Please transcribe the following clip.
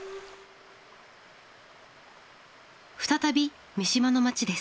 再び三島の町です。